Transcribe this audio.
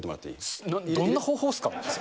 どんな方法っすか。